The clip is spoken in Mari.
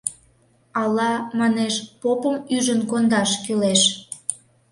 Ала, манеш, попым ӱжын кондаш кӱлеш?